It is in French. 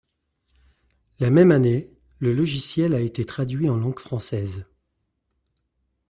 La même année, le logiciel a été traduit en langue française.